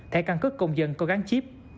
thẻ căn cước công dân có gắn chip